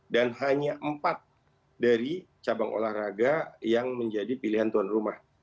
dan hanya empat dari cabang olahraga yang menjadi pilihan tuan rumah